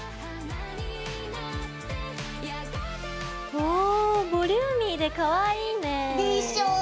おボリューミーでかわいいね。でしょ。